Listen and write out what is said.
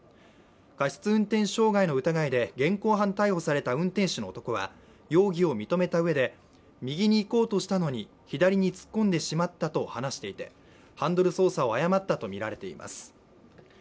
過失運転傷害の疑いで現行犯逮捕された運転手の男は容疑を認めたうえで右に行こうとしたのに左に突っ込んでしまったと話していてあーーー！